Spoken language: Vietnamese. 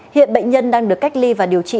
hiện bệnh nhân đang được cách ly và điều trị